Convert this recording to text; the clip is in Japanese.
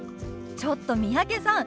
ちょっと三宅さん